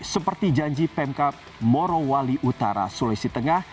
seperti janji pemkap morowali utara sulawesi tengah